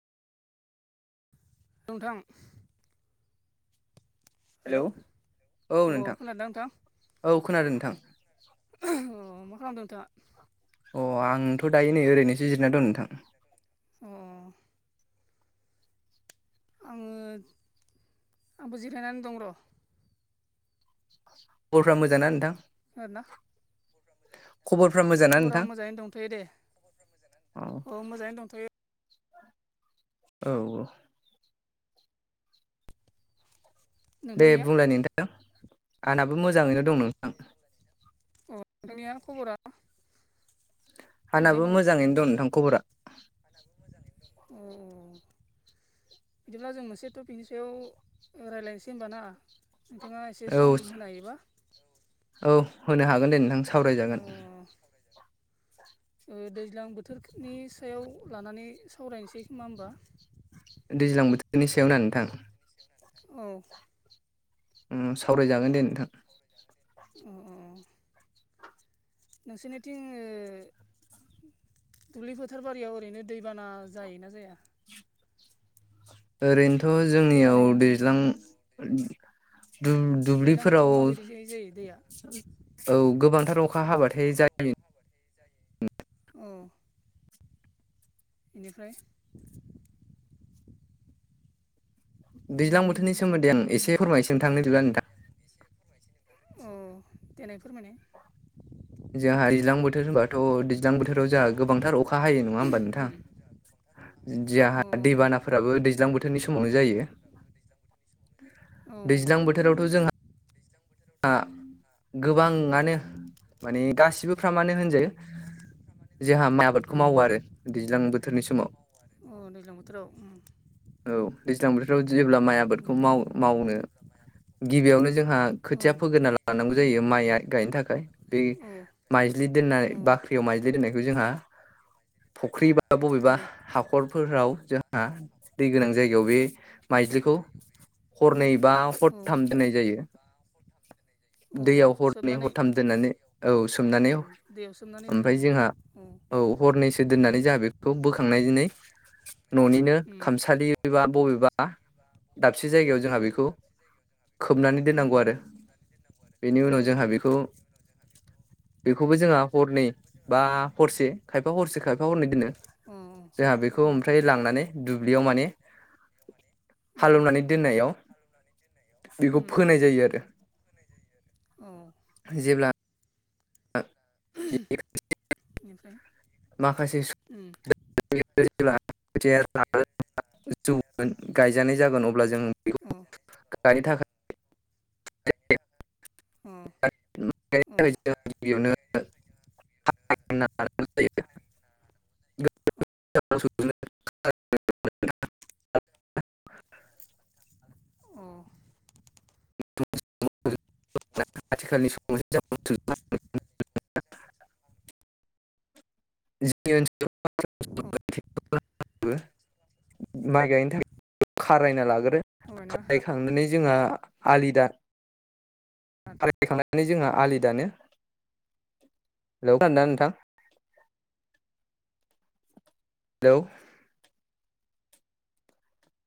नोंथां हेलौ औ अ नोंथां खोनादोंना नोंथां? औ खोनादों नोंथां अ मा खालामदों नोंथाङा? अ आंथ' दायो नै ओरैनो दायो नै ओरैनोसो जिरना दों। आङो आंबो जिरायनानै दं र'। खबरफ्रा मोजां ना नोंथां? ओदना खबरफ्रा मोजां ना खबरा नोंथां मोजाङैनो दंथ'यो दे। औ अ मोजाङैनो दंथ'यो। औ औ। दे नोंथांनिया बुंलाय नोंथां आंनाबो मोजाङैनो दं नों अ दोंनिया खबरा आनाबो मोजाङैनों नोंथां खबरा। उम। बिदिब्ला जों मोनसे टपिकनि सायाव रायज्लायनोसै होनबाना। नोंथाङा एसे औ सम होनो हायोबा? औ होनो हागोन दे नोंथां अ सावरायजागोन दैज्लां बोथोरनि सायाव लानानै सावरायनोसै मा होनोमबा दैज्लां बोथोरनि सायाव न नोंथां औ सावरायजागोन दे नोंथां अ अ नोंसोरनिथिं दुब्लि फोथार बारियाव ओरैनो दैबाना जायोना जाया ओरैनोथ' जोंनियाव दैबानाया दैज्लां दैज्लां दुब्लिफोराव बोथोराव माबायदि जायो जायो दैया औ गोबांथार अखा हाब्लाथाय जायोमोन औ बेनिफ्राय दैज्लां बोोरनि सोमोन्दै आं एसेमायसिम थांनो बिब्ला नोंथां द आं बे एसे फोरमायसैनो अ देनायफोर माने जोंहा दैज्लां बोथोर होनबाथ' दैज्लां बोथोराव जोंहा गोबांथार अखा बाहायो नङा होमबा नोंथां उम औ जहा दैबाना फोराबो दैज्लां बोथोरनि समावनो जायो औ दैज्लां बोथोरावथ' जोंहा गोबाङानो माने गासिबोफ्रामानो होनजायो जोंहा माइ औ आबादखौ मावो आरो दैज्लां बोथोरनि समाव अ दैज्लां बोथोराव औ दैज्लां बोथोराव जेब्ला माइ आबादखौ बेनिफ्राय माव मावनो गिबियावनो जोंहा औ खोथिया फोगोरोनना लानांगौ जायो माइया गायनो थाखाय बे माइज्लि दोननाय औ बाख्रियाव माइज्लि दोननायखौ जोंहा फख्रि बा बा बबेबा औ हाखरफोराव जोंहा दै गोनां जायगायाव बे माइज्लिखौ हरनै बा हरथाम दोननाय जायो औ दैयाव हरनै सोबनानै हरथाम दोननानै औ सोमनानै दै दैयाव सोबनानै ओमफ्राय दोनलौ जोंहा अ औ हरनैसो दोननानै जोंहा बेखौ बोखांनाय दिनै न'निनो उम खामसालि बबेबा बबेबा दाबसे जायगायाव जोंहा औ बेखौ खोबनानै उम दोननांगौ आरो बेनि औ उनाव जोंहा बेखौ बेखौबो जोंहा हरनै बा हरसे खायफा हरसे खायफा हरनै दोनो जोंहा बेखौ औ औ ओमफ्राय लांनानै दुब्लियाव माने औ हालेवनानै दोननायाव बेखौ उम फोनाय जायो आरो औ जेब्ला [unintelligible] बेनिफ्राय माखासे उम [unintelligible] जौ गायजानाय जागोन अब्ला जों बेखौ गायनो थाखा गायनो थाखा [unintelligible] [unintelligible] अ आथिखालनि समावसो जोंनि ओनसोलाव माइ गायनो थाखाय खारायना लागोरो आना थांनानै जोंहा आलि दखांनानै जोंहा आलि दानो हेल' खोनादोंना नोंथां हेलौ।